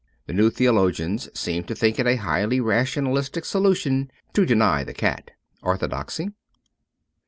The new theologians seem to think it a highly rationalistic solution to deny the cat. ^Orthodoxy.'